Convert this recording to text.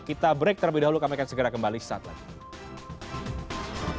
kita break terlebih dahulu kami akan segera kembali saat lagi